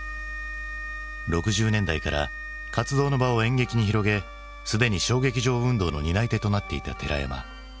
６０年代から活動の場を演劇に広げすでに小劇場運動の担い手となっていた寺山。